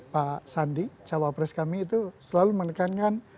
pak sandi cawa press kami itu selalu menekankan